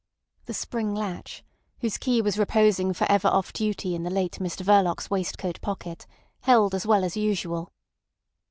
The spring latch, whose key was reposing for ever off duty in the late Mr Verloc's waistcoat pocket, held as well as usual.